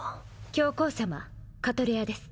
教皇様カトレアです